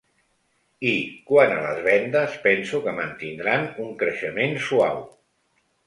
I, quant a les vendes, penso que mantindran un creixement suau.